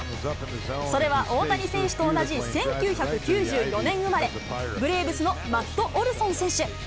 それは大谷選手と同じ１９９４年生まれ、ブレーブスのマット・オルソン選手。